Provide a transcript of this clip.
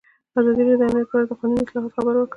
ازادي راډیو د امنیت په اړه د قانوني اصلاحاتو خبر ورکړی.